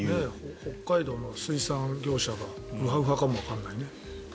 北海道の水産業者がウハウハかもわからないね。